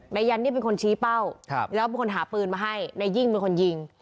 ยันนี่เป็นคนชี้เป้าแล้วเป็นคนหาปืนมาให้นายยิ่งเป็นคนยิง